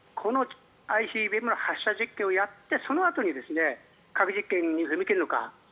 このＩＣＢＭの発射実験をやってそのあとに核実験に踏み切るのか。